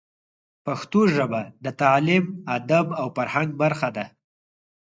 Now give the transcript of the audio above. پښتو ژبه د تعلیم، ادب او فرهنګ برخه ده.